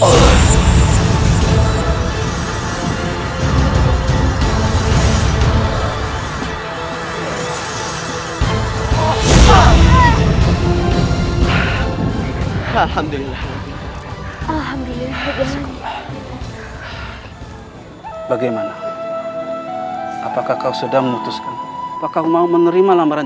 alhamdulillah alhamdulillah bagaimana apakah kau sudah memutuskan pakau mau menerima lambaran